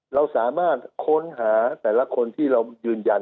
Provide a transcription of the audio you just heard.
เราสามารถค้นหาแต่ละคนที่เรายืนยัน